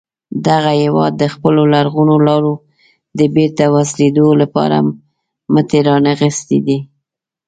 دغه هیواد د خپلو لرغونو لارو د بېرته وصلېدو لپاره مټې را نغښتې دي.